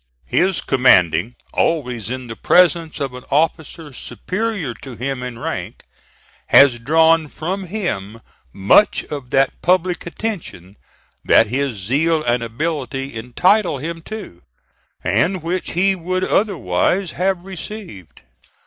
His commanding always in the presence of an officer superior to him in rank, has drawn from him much of that public attention that his zeal and ability entitle him to, and which he would otherwise have received.